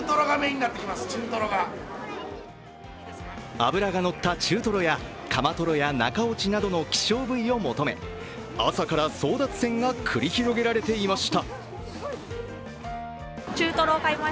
脂がのった中トロやカマトロや中落ちなどの希少部位を求め、朝から争奪戦が繰り広げられていました。